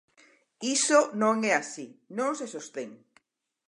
Iso non é así, non se sostén.